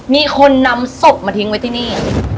มีคนนำศพมาทิ้งไว้ที่นี่